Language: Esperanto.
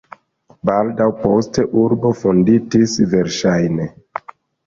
Baldaŭ poste urbo fonditis verŝajne.